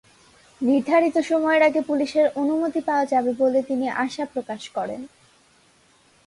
নির্ধারিত সময়ের আগে পুলিশের অনুমতি পাওয়া যাবে বলে তিনি আশা প্রকাশ করেন।